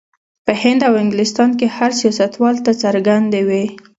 په هند او انګلستان کې هر سیاستوال ته څرګندې وې.